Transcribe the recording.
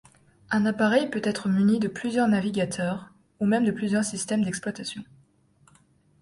Un appareil peut être muni de plusieurs navigateurs, ou même de plusieurs systèmes d'exploitation.